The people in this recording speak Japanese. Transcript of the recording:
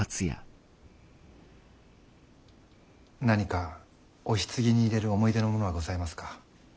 何かお棺に入れる思い出のものはございますか？